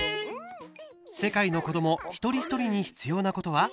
世界の子ども一人一人に必要なことは？